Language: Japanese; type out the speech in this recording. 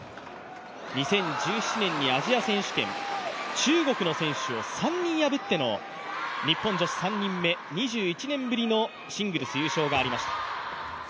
２０１７年いアジア選手権中国の選手を３人破っての日本女子３人目、２１年ぶりのシングルス優勝がありました。